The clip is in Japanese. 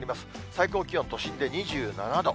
最高気温、都心で２７度。